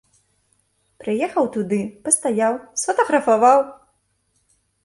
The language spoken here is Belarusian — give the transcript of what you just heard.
Прыехаў туды, пастаяў, сфатаграфаваў!